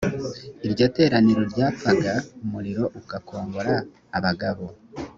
iryo teraniro ryapfaga umuriro ugakongora abagabo